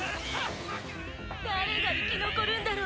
「誰が生き残るんだろう？」